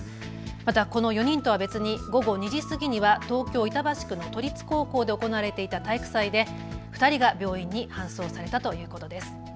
またこの４人とは別に午後２時過ぎには東京板橋区の都立高校で行われていた体育祭で２人が病院に搬送されたということです。